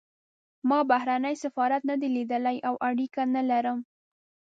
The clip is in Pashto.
ما بهرنی سفارت نه دی لیدلی او اړیکه نه لرم.